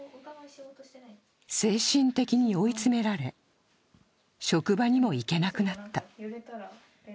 精神的に追い詰められ、職場にも行けなくなった。